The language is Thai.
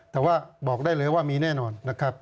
แต่ว่าบอกได้เลยว่ามีแน่นอน